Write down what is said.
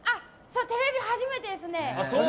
テレビ初めてですね。